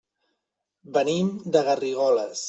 Venim de Garrigoles.